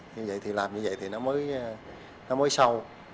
như vậy thì làm như vậy thì nó mới sâu